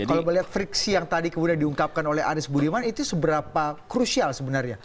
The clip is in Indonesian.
kalau melihat friksi yang tadi kemudian diungkapkan oleh anies budiman itu seberapa krusial sebenarnya